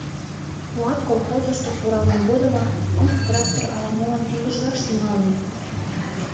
«Куат» колхозышто куралме годымак ик трактор ала-молан тӱлыжгаш тӱҥалын.